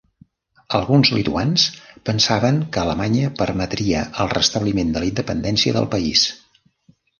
Alguns lituans pensaven que Alemanya permetria el restabliment de la independència del país.